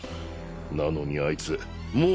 なのにあいつもう